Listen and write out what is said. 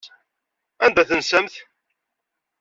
Anda tensamt?